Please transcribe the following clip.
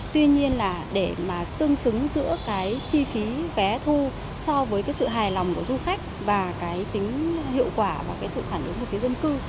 tuy nhiên là để mà tương xứng giữa cái chi phí vé thu so với cái sự hài lòng của du khách và cái tính hiệu quả và cái sự phản ứng của phía dân cư